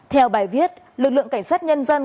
theo bài viết lực lượng cảnh sát nhân dân